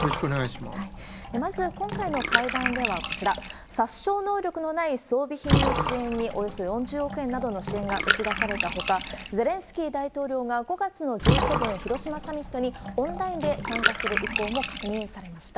まず、今回の会談では、こちら、殺傷能力のない装備品の支援に、およそ４０億円などの支援が打ち出されたほか、ゼレンスキー大統領が５月のＧ７広島サミットに、オンラインで参加する意向も確認されました。